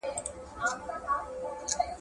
ولې اقتصادي پرمختیا اوږدمهاله پروسه ده؟